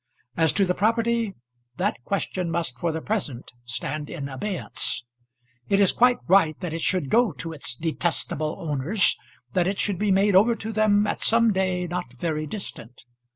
As to the property, that question must for the present stand in abeyance. It is quite right that it should go to its detestable owners, that it should be made over to them at some day not very distant.